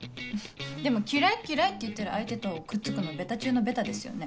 でも「嫌い嫌い」って言ってる相手とくっつくのベタ中のベタですよね。